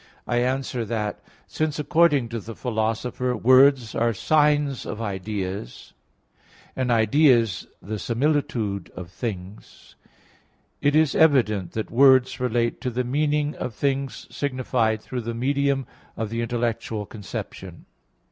I answer that, Since according to the Philosopher (Peri Herm. i), words are signs of ideas, and ideas the similitude of things, it is evident that words relate to the meaning of things signified through the medium of the intellectual conception.